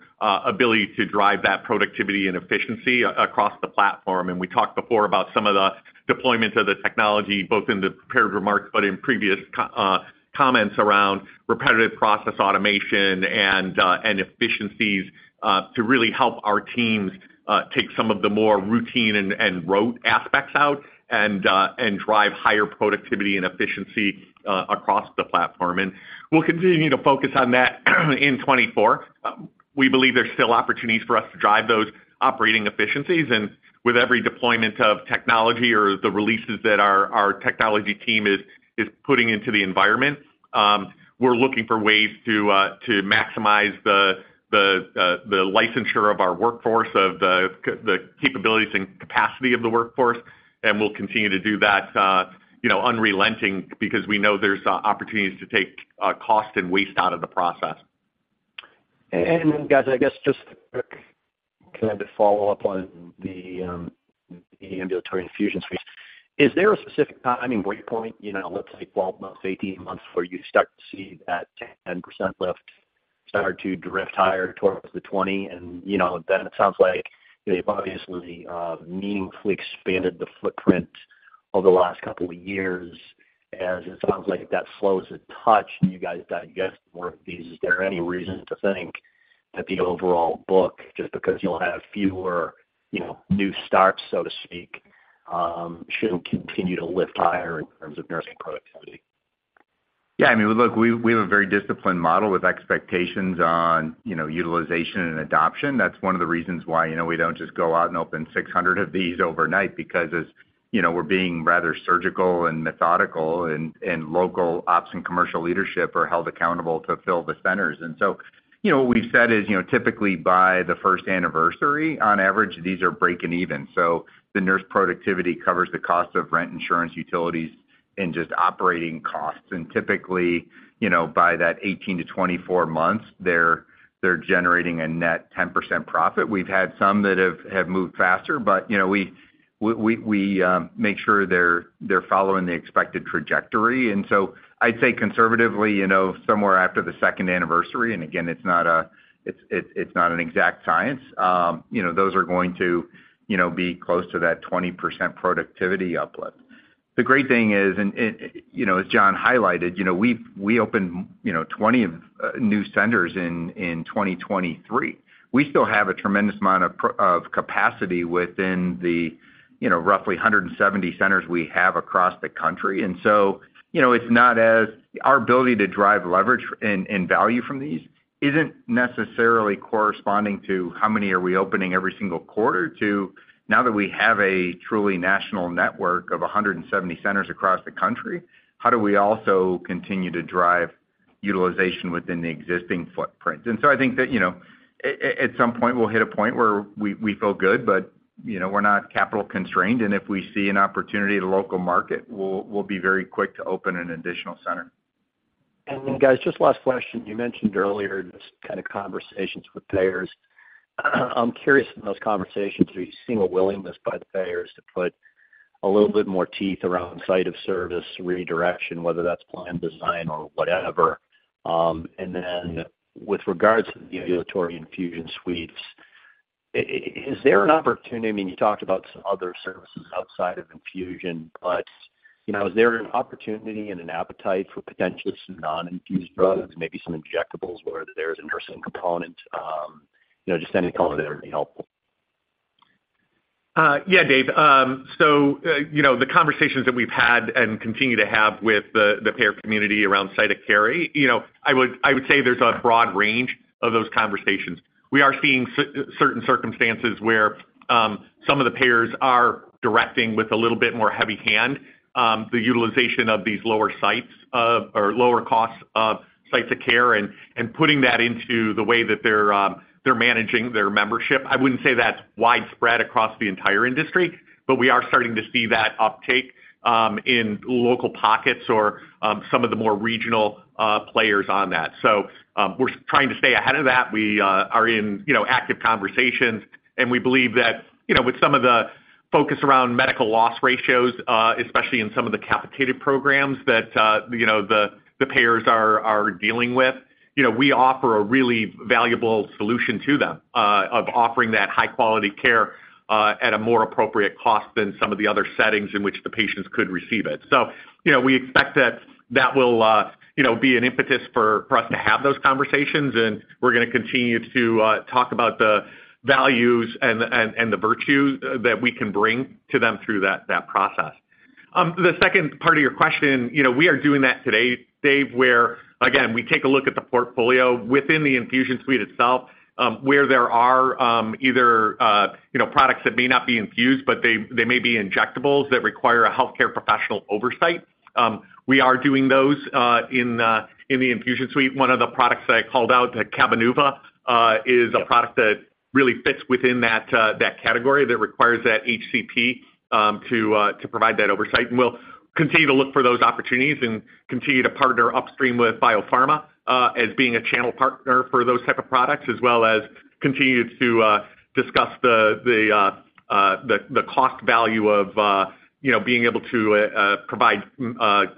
ability to drive that productivity and efficiency across the platform. And we talked before about some of the deployment of the technology, both in the prepared remarks but in previous comments around repetitive process automation and efficiencies to really help our teams take some of the more routine and rote aspects out and drive higher productivity and efficiency across the platform. And we'll continue to focus on that in 2024. We believe there's still opportunities for us to drive those operating efficiencies. With every deployment of technology or the releases that our technology team is putting into the environment, we're looking for ways to maximize the licensure of our workforce, of the capabilities and capacity of the workforce. We'll continue to do that unrelentingly because we know there's opportunities to take cost and waste out of the process. And then, guys, I guess just a quick kind of follow-up on the ambulatory infusion suites. Is there a specific timing breakpoint, let's say 12 months, 18 months, where you start to see that 10% lift start to drift higher towards the 20%? And then it sounds like they've obviously meaningfully expanded the footprint over the last couple of years. As it sounds like that slows a touch and you guys digest more of these, is there any reason to think that the overall book, just because you'll have fewer new starts, so to speak, shouldn't continue to lift higher in terms of nursing productivity? Yeah, I mean, look, we have a very disciplined model with expectations on utilization and adoption. That's one of the reasons why we don't just go out and open 600 of these overnight because we're being rather surgical and methodical, and local ops and commercial leadership are held accountable to fill the centers. And so what we've said is typically by the first anniversary, on average, these are breaking even. So the nurse productivity covers the cost of rent, insurance, utilities, and just operating costs. And typically, by that 18-24 months, they're generating a net 10% profit. We've had some that have moved faster, but we make sure they're following the expected trajectory. And so I'd say conservatively, somewhere after the second anniversary - and again, it's not an exact science - those are going to be close to that 20% productivity uplift. The great thing is, as John highlighted, we opened 20 new centers in 2023. We still have a tremendous amount of capacity within the roughly 170 centers we have across the country. It's not as our ability to drive leverage and value from these isn't necessarily corresponding to how many are we opening every single quarter to now that we have a truly national network of 170 centers across the country, how do we also continue to drive utilization within the existing footprint? I think that at some point, we'll hit a point where we feel good, but we're not capital-constrained. If we see an opportunity in the local market, we'll be very quick to open an additional center. And then, guys, just last question. You mentioned earlier just kind of conversations with payers. I'm curious, in those conversations, are you seeing a willingness by the payers to put a little bit more teeth around site of service, redirection, whether that's plan design or whatever? And then with regards to the ambulatory infusion suites, is there an opportunity? I mean, you talked about some other services outside of infusion, but is there an opportunity and an appetite for potentially some non-infused drugs, maybe some injectables where there's a nursing component? Just any color there would be helpful. Yeah, Dave. So the conversations that we've had and continue to have with the payer community around site of care, I would say there's a broad range of those conversations. We are seeing certain circumstances where some of the payers are directing with a little bit more heavy hand the utilization of these lower sites or lower cost sites of care and putting that into the way that they're managing their membership. I wouldn't say that's widespread across the entire industry, but we are starting to see that uptake in local pockets or some of the more regional players on that. So we're trying to stay ahead of that. We are in active conversations. We believe that with some of the focus around medical loss ratios, especially in some of the capitated programs that the payers are dealing with, we offer a really valuable solution to them of offering that high-quality care at a more appropriate cost than some of the other settings in which the patients could receive it. So we expect that that will be an impetus for us to have those conversations. We're going to continue to talk about the values and the virtues that we can bring to them through that process. The second part of your question, we are doing that today, Dave, where, again, we take a look at the portfolio within the infusion suite itself where there are either products that may not be infused, but they may be injectables that require a healthcare professional oversight. We are doing those in the infusion suite. One of the products that I called out, the Cabenuva, is a product that really fits within that category that requires that HCP to provide that oversight. We'll continue to look for those opportunities and continue to partner upstream with biopharma as being a channel partner for those types of products, as well as continue to discuss the cost value of being able to provide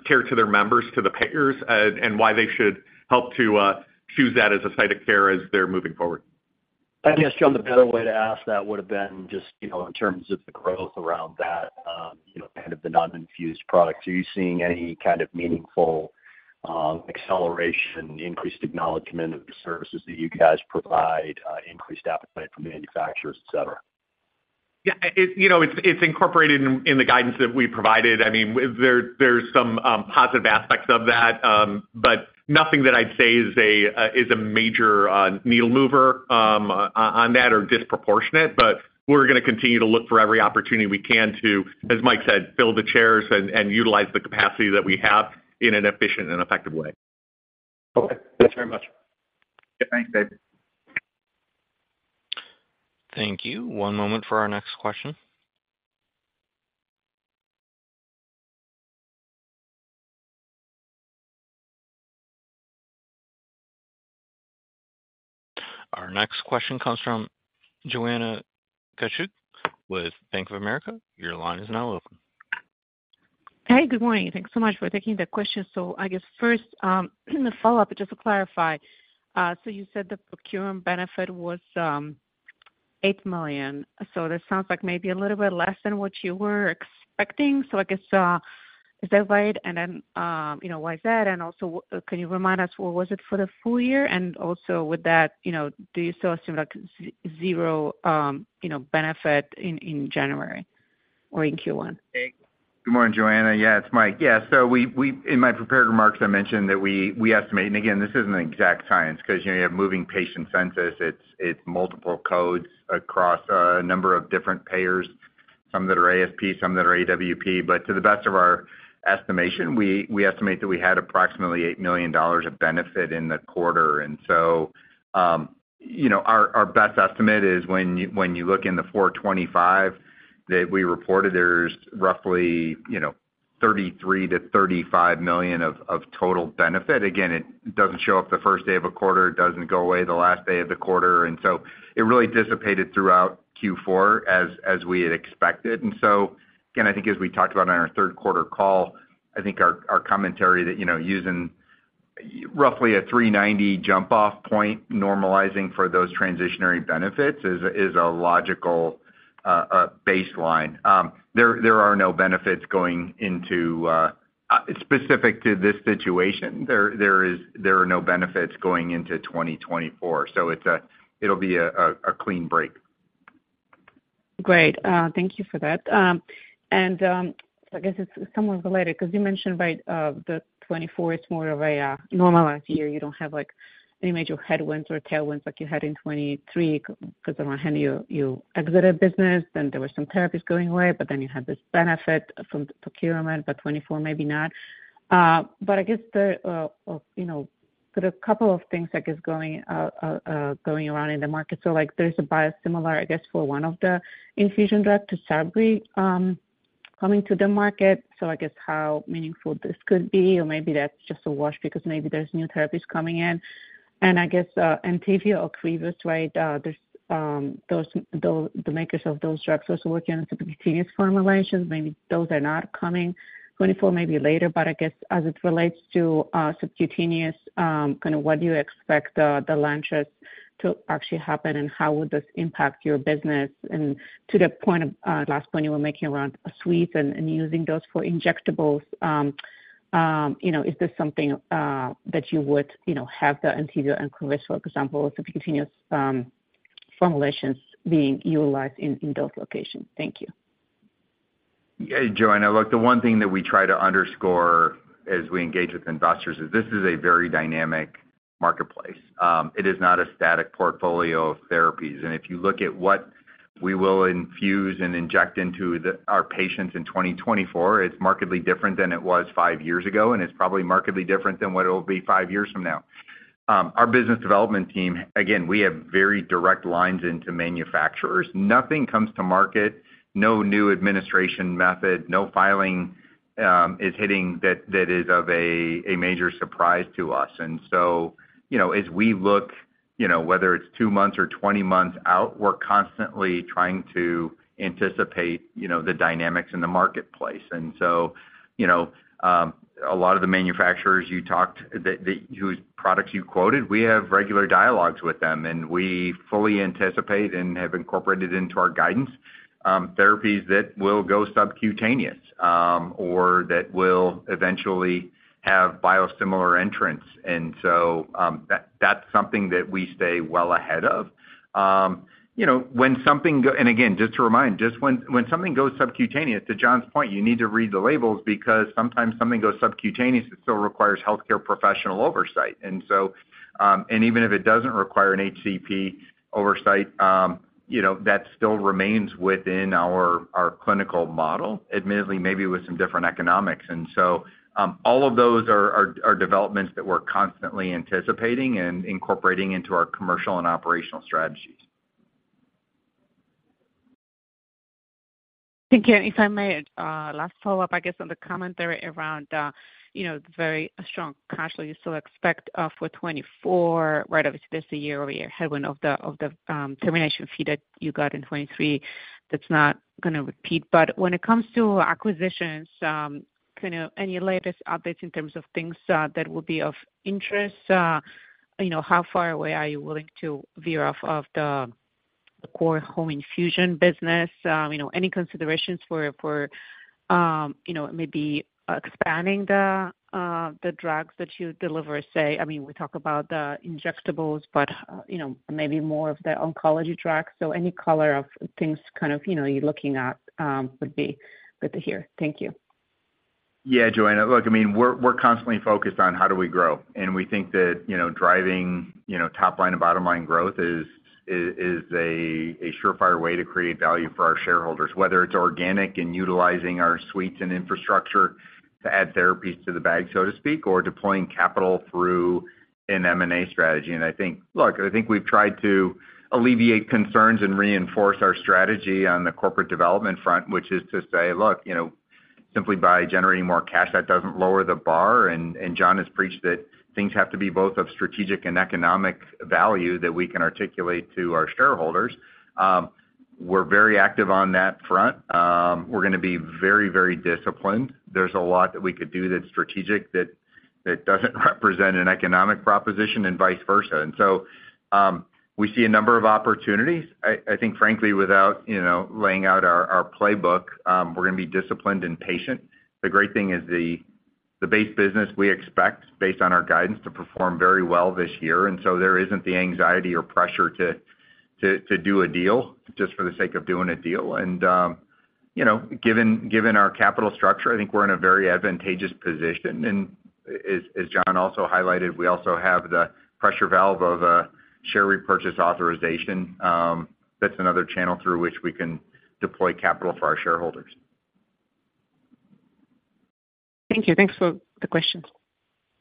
care to their members, to the payers, and why they should help to choose that as a site of care as they're moving forward. I guess, John, the better way to ask that would have been just in terms of the growth around that, kind of the non-infused products. Are you seeing any kind of meaningful acceleration, increased acknowledgment of the services that you guys provide, increased appetite from manufacturers, et cetera? Yeah, it's incorporated in the guidance that we provided. I mean, there's some positive aspects of that, but nothing that I'd say is a major needle mover on that or disproportionate. But we're going to continue to look for every opportunity we can to, as Mike said, fill the chairs and utilize the capacity that we have in an efficient and effective way. Okay. Thanks very much. Yeah, thanks, Dave. Thank you. One moment for our next question. Our next question comes from Joanna Gajuk with Bank of America. Your line is now open. Hey, good morning. Thanks so much for taking the question. So I guess first, a follow-up, just to clarify. So you said the procurement benefit was $8 million. So that sounds like maybe a little bit less than what you were expecting. So I guess, is that right? And then why is that? And also, can you remind us, what was it for the full year? And also with that, do you still assume zero benefit in January or in Q1? Good morning, Joanna. Yeah, it's Mike. Yeah, so in my prepared remarks, I mentioned that we estimate. And again, this isn't an exact science because you have moving patient census. It's multiple codes across a number of different payers, some that are ASP, some that are AWP. But to the best of our estimation, we estimate that we had approximately $8 million of benefit in the quarter. And so our best estimate is when you look in the 425 that we reported, there's roughly $33 million-$35 million of total benefit. Again, it doesn't show up the first day of a quarter. It doesn't go away the last day of the quarter. And so it really dissipated throughout Q4 as we had expected. And so again, I think as we talked about on our third-quarter call, I think our commentary that using roughly a 390 jump-off point normalizing for those transitory benefits is a logical baseline. There are no benefits going into specific to this situation. There are no benefits going into 2024. So it'll be a clean break. Great. Thank you for that. I guess it's somewhat related because you mentioned the 2024 is more of a normalized year. You don't have any major headwinds or tailwinds like you had in 2023 because around the end, you exited business. Then there were some therapies going away, but then you had this benefit from the procurement, but 2024 maybe not. But I guess there are a couple of things, I guess, going around in the market. So there's a biosimilar, I guess, for one of the infusion drugs, Tysabri, coming to the market. So I guess how meaningful this could be, or maybe that's just a wash because maybe there's new therapies coming in. And I guess Entyvio for Crohn's, right, the makers of those drugs, also working on subcutaneous formulations. Maybe those are not coming 2024, maybe later. But I guess as it relates to subcutaneous, kind of what do you expect the launch to actually happen, and how would this impact your business? And to the last point you were making around suites and using those for injectables, is this something that you would have the Entyvio and Ocrevus, for example, subcutaneous formulations being utilized in those locations? Thank you. Yeah, Joanna, the one thing that we try to underscore as we engage with investors is this is a very dynamic marketplace. It is not a static portfolio of therapies. And if you look at what we will infuse and inject into our patients in 2024, it's markedly different than it was five years ago. And it's probably markedly different than what it will be five years from now. Our business development team, again, we have very direct lines into manufacturers. Nothing comes to market. No new administration method, no filing is hitting that is of a major surprise to us. And so as we look, whether it's two months or 20 months out, we're constantly trying to anticipate the dynamics in the marketplace. And so a lot of the manufacturers you talked to whose products you quoted, we have regular dialogues with them. We fully anticipate and have incorporated into our guidance therapies that will go subcutaneous or that will eventually have biosimilar entrance. So that's something that we stay well ahead of. When something goes subcutaneous, to John's point, you need to read the labels because sometimes something goes subcutaneous, it still requires healthcare professional oversight. Even if it doesn't require an HCP oversight, that still remains within our clinical model, admittedly, maybe with some different economics. So all of those are developments that we're constantly anticipating and incorporating into our commercial and operational strategies. Thank you. And if I may, last follow-up, I guess, on the comment there around the very strong cost you still expect for 2024, right? Obviously, that's a year-over-year headwind of the termination fee that you got in 2023. That's not going to repeat. But when it comes to acquisitions, kind of any latest updates in terms of things that will be of interest, how far away are you willing to veer off of the core home infusion business? Any considerations for maybe expanding the drugs that you deliver, say? I mean, we talk about the injectables, but maybe more of the oncology drugs. So any color of things kind of you're looking at would be good to hear. Thank you. Yeah, Joanna. Look, I mean, we're constantly focused on how do we grow. And we think that driving top-line and bottom-line growth is a surefire way to create value for our shareholders, whether it's organic in utilizing our suites and infrastructure to add therapies to the bag, so to speak, or deploying capital through an M&A strategy. And look, I think we've tried to alleviate concerns and reinforce our strategy on the corporate development front, which is to say, "Look, simply by generating more cash, that doesn't lower the bar." And John has preached that things have to be both of strategic and economic value that we can articulate to our shareholders. We're very active on that front. We're going to be very, very disciplined. There's a lot that we could do that's strategic that doesn't represent an economic proposition and vice versa. We see a number of opportunities. I think, frankly, without laying out our playbook, we're going to be disciplined and patient. The great thing is the base business we expect, based on our guidance, to perform very well this year. There isn't the anxiety or pressure to do a deal just for the sake of doing a deal. Given our capital structure, I think we're in a very advantageous position. As John also highlighted, we also have the pressure valve of a share repurchase authorization. That's another channel through which we can deploy capital for our shareholders. Thank you. Thanks for the questions.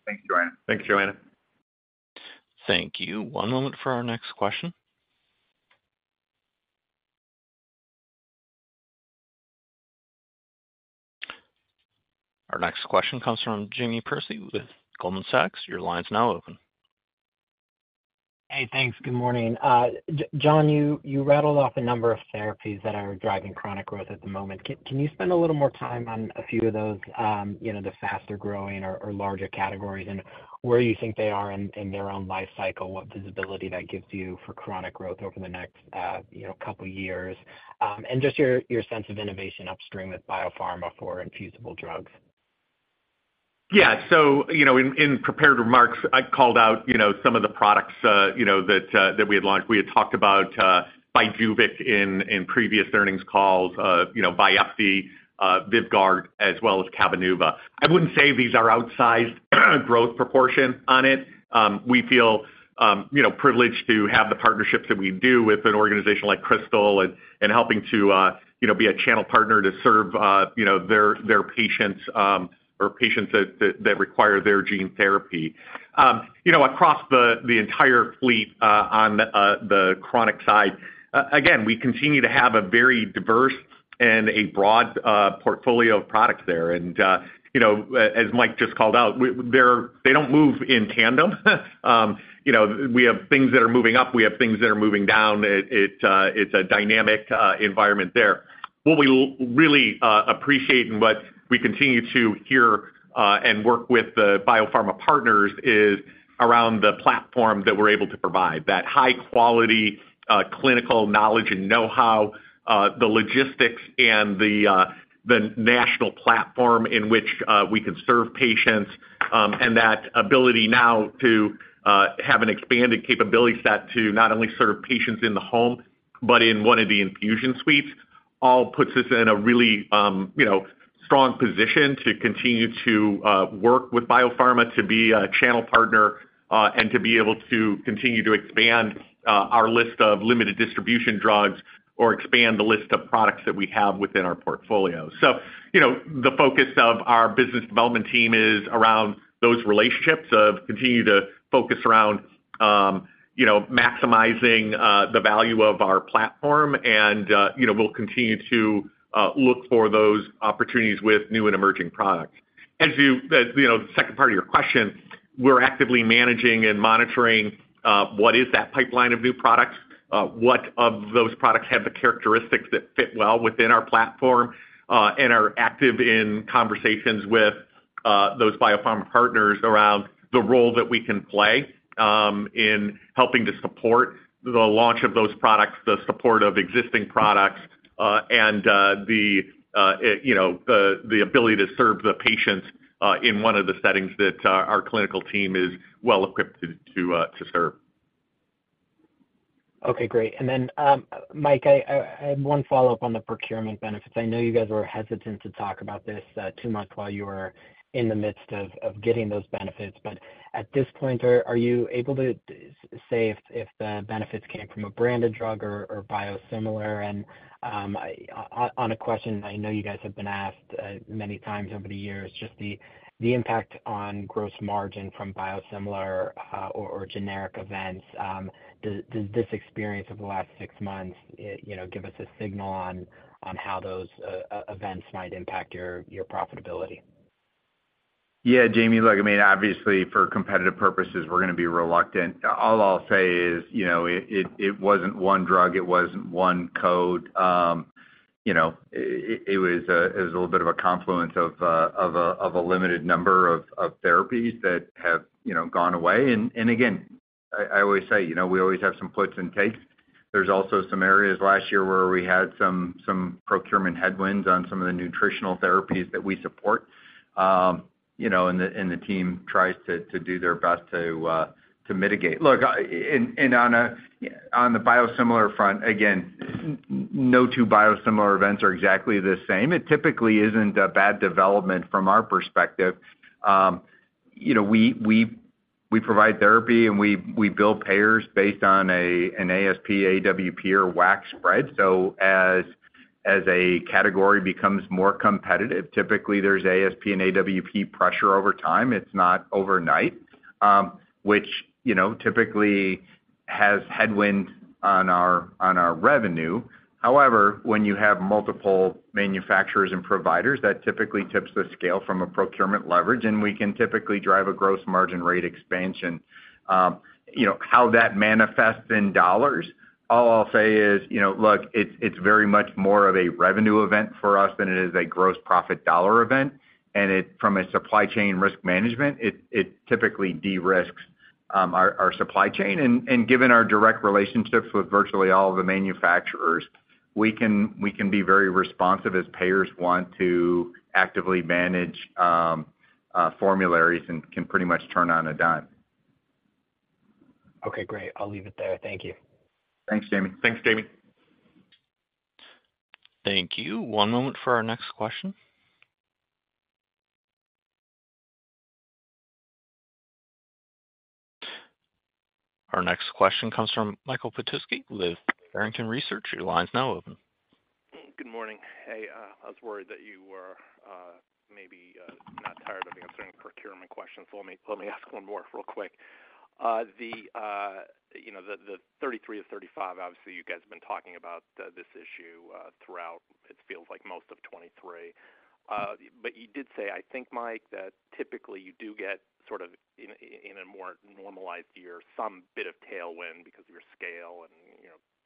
Thanks, Joanna. Thanks, Joanna. Thank you. One moment for our next question. Our next question comes from Jamie Perse with Goldman Sachs. Your line is now open. Hey, thanks. Good morning. John, you rattled off a number of therapies that are driving chronic growth at the moment. Can you spend a little more time on a few of those, the faster-growing or larger categories, and where you think they are in their own life cycle, what visibility that gives you for chronic growth over the next couple of years, and just your sense of innovation upstream with Biopharma for infusible drugs? Yeah. So in prepared remarks, I called out some of the products that we had launched. We had talked about Briumvi in previous earnings calls, Veopoz, Vyvgart, as well as Cabenuva. I wouldn't say these are outsized growth proportion on it. We feel privileged to have the partnerships that we do with an organization like Krystal, and helping to be a channel partner to serve their patients or patients that require their gene therapy. Across the entire fleet on the chronic side, again, we continue to have a very diverse and a broad portfolio of products there. And as Mike just called out, they don't move in tandem. We have things that are moving up. We have things that are moving down. It's a dynamic environment there. What we really appreciate and what we continue to hear and work with the biopharma partners is around the platform that we're able to provide, that high-quality clinical knowledge and know-how, the logistics, and the national platform in which we can serve patients, and that ability now to have an expanded capability set to not only serve patients in the home but in one of the infusion suites. All puts us in a really strong position to continue to work with biopharma, to be a channel partner, and to be able to continue to expand our list of limited distribution drugs or expand the list of products that we have within our portfolio. So the focus of our business development team is around those relationships, continue to focus around maximizing the value of our platform. We'll continue to look for those opportunities with new and emerging products. As to the second part of your question, we're actively managing and monitoring what is that pipeline of new products. What of those products have the characteristics that fit well within our platform? And are active in conversations with those biopharma partners around the role that we can play in helping to support the launch of those products, the support of existing products, and the ability to serve the patients in one of the settings that our clinical team is well equipped to serve. Okay, great. And then, Mike, I have one follow-up on the procurement benefits. I know you guys were hesitant to talk about this too much while you were in the midst of getting those benefits. But at this point, are you able to say if the benefits came from a branded drug or biosimilar? And on a question I know you guys have been asked many times over the years, just the impact on gross margin from biosimilar or generic events, does this experience of the last six months give us a signal on how those events might impact your profitability? Yeah, Jamie. Look, I mean, obviously, for competitive purposes, we're going to be reluctant. All I'll say is it wasn't one drug. It wasn't one code. It was a little bit of a confluence of a limited number of therapies that have gone away. And again, I always say, we always have some puts and takes. There's also some areas last year where we had some procurement headwinds on some of the nutritional therapies that we support. And the team tries to do their best to mitigate. Look, and on the biosimilar front, again, no two biosimilar events are exactly the same. It typically isn't a bad development from our perspective. We provide therapy, and we build payers based on an ASP, AWP, or WAC spread. So as a category becomes more competitive, typically, there's ASP and AWP pressure over time. It's not overnight, which typically has headwinds on our revenue. However, when you have multiple manufacturers and providers, that typically tips the scale from a procurement leverage. We can typically drive a gross margin rate expansion. How that manifests in dollars, all I'll say is, look, it's very much more of a revenue event for us than it is a gross profit dollar event. From a supply chain risk management, it typically de-risks our supply chain. Given our direct relationships with virtually all of the manufacturers, we can be very responsive as payers want to actively manage formularies and can pretty much turn on a dime. Okay, great. I'll leave it there. Thank you. Thanks, Jamie. Thanks, Jamie. Thank you. One moment for our next question. Our next question comes from Michael Petusky with Barrington Research. Your line is now open. Good morning. Hey, I was worried that you were maybe not tired of answering procurement questions. Let me ask one more real quick. The 33 of 35, obviously, you guys have been talking about this issue throughout, it feels like, most of 2023. But you did say, I think, Mike, that typically, you do get sort of in a more normalized year, some bit of tailwind because of your scale and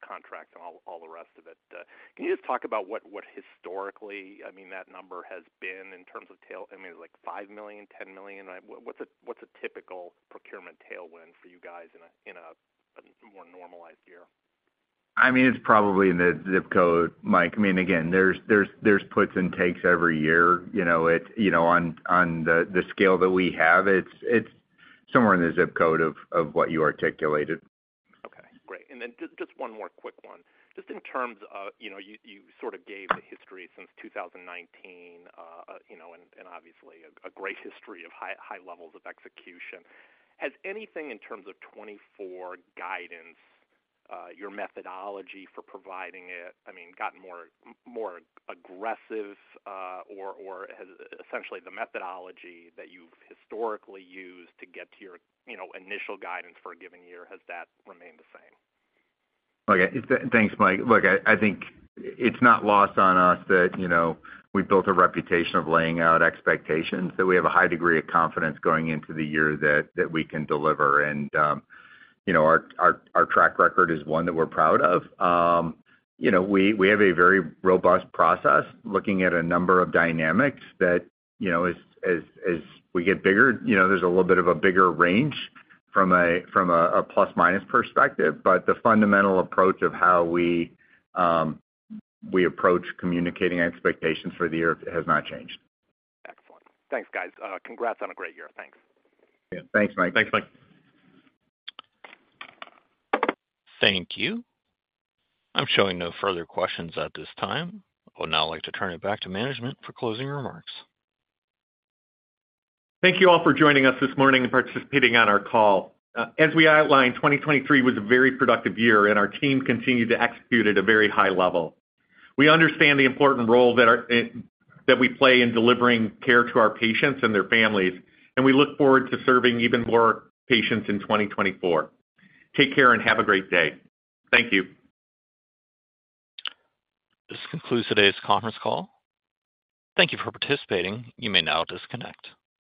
contracts and all the rest of it. Can you just talk about what historically, I mean, that number has been in terms of tail? I mean, it's like $5 million, $10 million. What's a typical procurement tailwind for you guys in a more normalized year? I mean, it's probably in the zip code, Mike. I mean, again, there's puts and takes every year. On the scale that we have, it's somewhere in the zip code of what you articulated. Okay, great. And then just one more quick one. Just in terms of you sort of gave the history since 2019 and obviously a great history of high levels of execution. Has anything in terms of 2024 guidance, your methodology for providing it, I mean, gotten more aggressive? Or essentially, the methodology that you've historically used to get to your initial guidance for a given year, has that remained the same? Okay. Thanks, Mike. Look, I think it's not lost on us that we built a reputation of laying out expectations, that we have a high degree of confidence going into the year that we can deliver. Our track record is one that we're proud of. We have a very robust process looking at a number of dynamics that as we get bigger, there's a little bit of a bigger range from a plus-minus perspective. But the fundamental approach of how we approach communicating expectations for the year has not changed. Excellent. Thanks, guys. Congrats on a great year. Thanks. Yeah. Thanks, Mike. Thanks, Mike. Thank you. I'm showing no further questions at this time. I would now like to turn it back to management for closing remarks. Thank you all for joining us this morning and participating on our call. As we outlined, 2023 was a very productive year, and our team continued to execute at a very high level. We understand the important role that we play in delivering care to our patients and their families, and we look forward to serving even more patients in 2024. Take care and have a great day. Thank you. This concludes today's conference call. Thank you for participating. You may now disconnect.